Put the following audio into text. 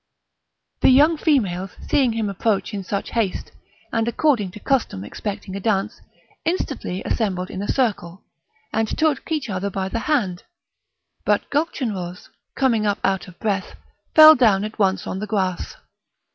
The young females seeing him approach in such haste, and according to custom expecting a dance, instantly assembled in a circle, and took each other by the hand; but Gulchenrouz, coming up out of breath, fell down at once on the grass.